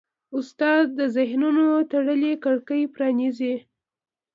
استاد د ذهنونو تړلې کړکۍ پرانیزي.